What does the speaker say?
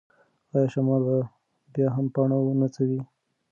ایا شمال به بیا هم پاڼه ونڅوي؟